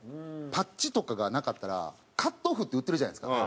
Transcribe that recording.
パッチとかがなかったらカットオフって売ってるじゃないですか。